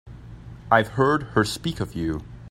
I've heard her speak of you.